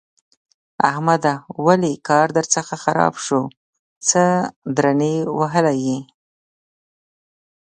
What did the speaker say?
احمده! ولې کار درڅخه خراب شو؛ څه درنې وهلی يې؟!